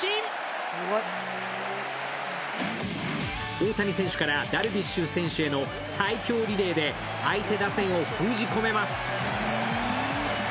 大谷選手からダルビッシュ選手への最強リレーで相手打線を封じ込めます。